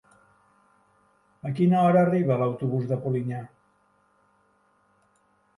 A quina hora arriba l'autobús de Polinyà?